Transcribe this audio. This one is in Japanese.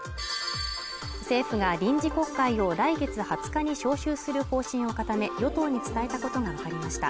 政府が臨時国会を来月２０日に召集する方針を固め与党に伝えたことが分かりました